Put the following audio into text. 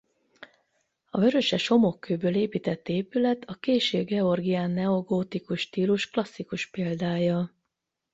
A vöröses homokkőből épített épület a késő georgián neogótikus stílus klasszikus példája.